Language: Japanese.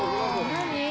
「何？」